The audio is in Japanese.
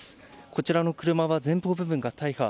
こちらの車は前方部分が大破。